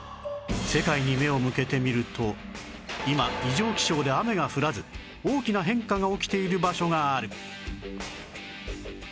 世界に目を向けてみると今異常気象で雨が降らず大きな変化が起きている場所がある